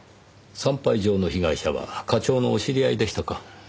産廃場の被害者は課長のお知り合いでしたか。